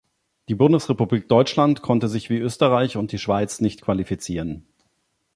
Die Bundesrepublik Deutschland konnte sich wie Österreich und die Schweiz nicht qualifizieren.